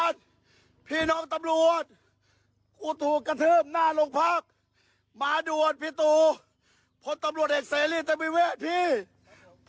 ร้องไห้ไหมคะเนี่ย